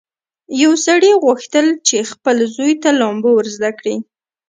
یو سړي غوښتل چې خپل زوی ته لامبو ور زده کړي.